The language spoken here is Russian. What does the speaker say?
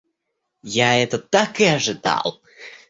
Я это так и ожидал!